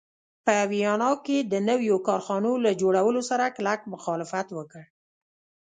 په ویانا کې د نویو کارخانو له جوړولو سره کلک مخالفت وکړ.